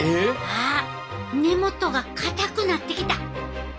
あっ根元がかたくなってきた。